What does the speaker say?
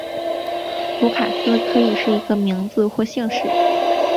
卢卡斯可以是一个名字或姓氏。